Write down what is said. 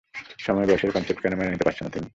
সময় ও বয়সের কনসেপ্ট কেন মেনে নিতে পারছো না তুমি?